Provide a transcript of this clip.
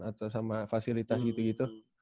atau sama fasilitas gitu gitu